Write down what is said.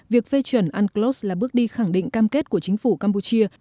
việc phê chuẩn unclos là bước đi khẳng định cam kết của chính phủ campuchia